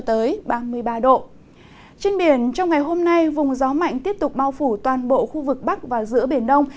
trên biển trong ngày hôm nay vùng gió mạnh tiếp tục bao phủ toàn bộ khu vực bắc và giữa biển đông